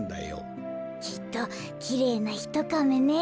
きっときれいなひとカメね。